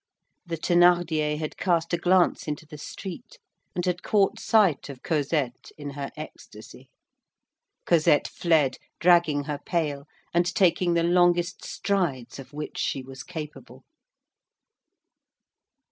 The Thénardier had cast a glance into the street, and had caught sight of Cosette in her ecstasy. Cosette fled, dragging her pail, and taking the longest strides of which she was capable.